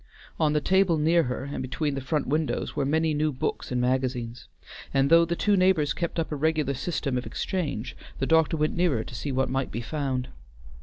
On the table near her and between the front windows were many new books and magazines, and though the two neighbors kept up a regular system of exchange, the doctor went nearer to see what might be found.